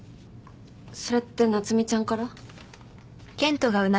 それって夏海ちゃんから？